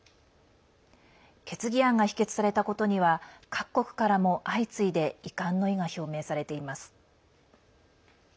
決議案が否決されたことには各国からも相次いで遺憾の意が表明されています。